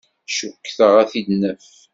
Cukkteɣ ad t-id-naf.